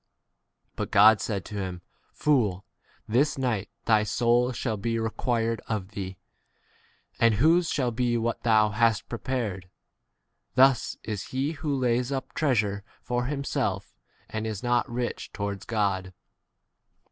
But God said to him, Fool, this night thy k soul shall be required of thee; and whose shall be what thou hast 21 prepared ? Thus is he who lays up treasure for himself, and is not rich towards God.